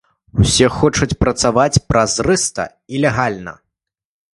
Усе хочуць працаваць празрыста і легальна.